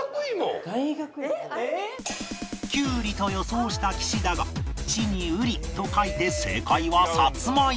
キュウリと予想した岸だが「地」に「瓜」と書いて正解はサツマイモ